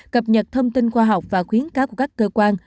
cập nhật thông tin khoa học và khuyến cáo của các cơ quan